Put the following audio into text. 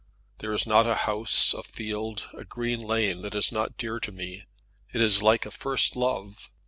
There is not a house, a field, a green lane, that is not dear to me. It is like a first love.